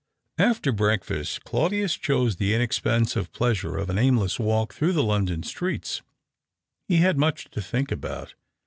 After breakfast Claudius chose the inexpen sive pleasure of an aimless walk through the London streets. He had much to think about.